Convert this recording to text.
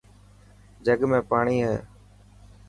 جڳ ۾ پاڻي هي.